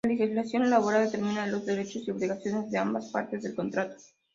La legislación laboral determina los derechos y obligaciones de ambas partes del contrato.